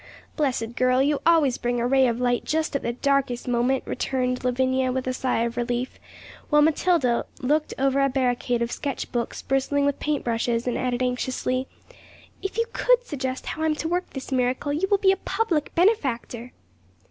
'Blessed girl! you always bring a ray of light just at the darkest moment,' returned Lavinia, with a sigh of relief, while Matilda looked over a barricade of sketch books bristling with paint brushes, and added anxiously, 'If you could suggest how I am to work this miracle, you will be a public benefactor.'